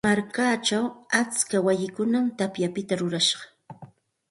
Markachaw atska wayikunam tapyapita rurashqa.